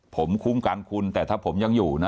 ผมคุ้มกันคุณแต่ถ้าผมยังอยู่นะ